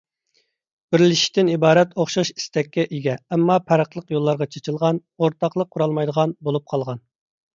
بىرلىشىشتىن ئىبارەت ئوخشاش ئىستەككە ئىگە، ئەمما پەرقلىق يوللارغا چېچىلغان، ئورتاقلىق قۇرالمايدىغان بولۇپ قالغان.